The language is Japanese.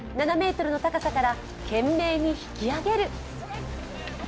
７ｍの高さから懸命に引き上げる。